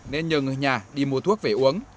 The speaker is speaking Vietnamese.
nên nhờ người nhà đi mua thuốc về uống